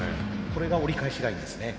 これが折り返しラインですね。